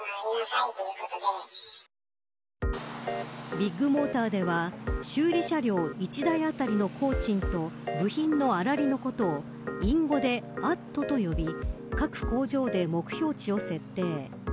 ビッグモーターでは修理車両１台あたりの工賃と部品の粗利のことを隠語でアットと呼び各工場で目標値を設定。